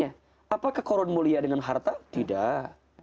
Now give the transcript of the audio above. apakah korun mulia dengan harta tidak